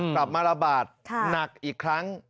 กลับมาระบาดหนักอีกครั้ง